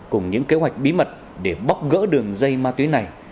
cùng những kế hoạch bí mật để bóc gỡ đường dây ma túy này